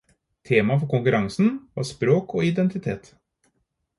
Temaet for konkurransen var språk og identitet.